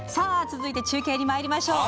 続いて中継にまいりましょう。